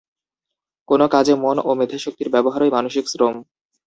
কোনো কাজে মন ও মেধাশক্তির ব্যবহারই মানসিক শ্রম।